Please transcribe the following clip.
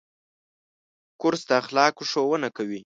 کورس د اخلاقو ښوونه کوي.